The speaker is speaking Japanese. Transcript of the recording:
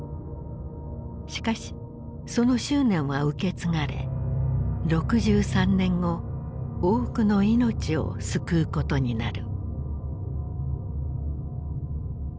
しかしその執念は受け継がれ６３年後多くの命を救うことになる。